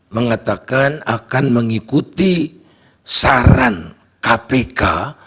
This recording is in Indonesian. mengatakan akan mengikuti saran kpk